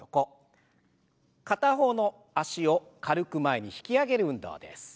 片方の脚を軽く前に引き上げる運動です。